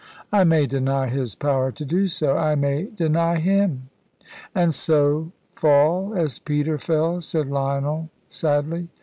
"I may deny His power to do so I may deny Him." "And so fall as Peter fell," said Lionel, sadly.